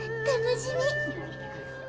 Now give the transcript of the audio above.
楽しみ。